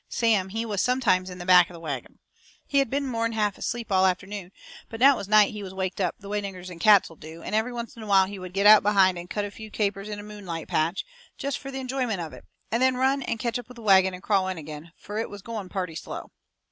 Sam, he was sometimes in the back of the wagon. He had been more'n half asleep all afternoon, but now it was night he was waked up, the way niggers and cats will do, and every once in a while he would get out behind and cut a few capers in a moonlight patch, jest fur the enjoyment of it, and then run and ketch up with the wagon and crawl in agin, fur it was going purty slow.